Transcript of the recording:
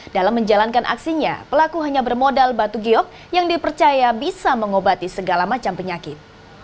dalam menjalankan aksinya pelaku hanya bermodal batu giyok yang dipercaya bisa mengobati segala macam penyakit